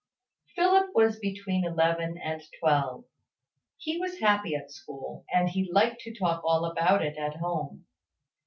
Philip was between eleven and twelve. He was happy at school: and he liked to talk all about it at home.